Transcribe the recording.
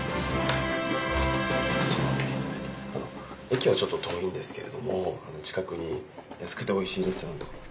駅はちょっと遠いんですけれども近くに安くておいしいレストランとかも。